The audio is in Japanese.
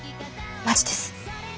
マジです。